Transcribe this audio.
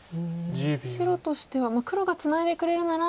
白としてはまあ黒がツナいでくれるなら。